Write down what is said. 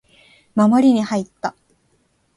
守りに入った